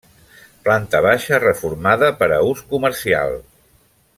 Planta baixa reformada per a ús comercial.